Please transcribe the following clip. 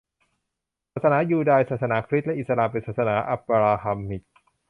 ศาสนายูดาย ศาสนาคริสต์และอิสลาม เป็น ศาสนาอับบราฮัมมิก